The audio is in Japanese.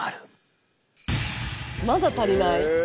まだ足りない！